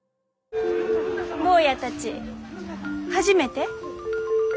坊やたち初めて？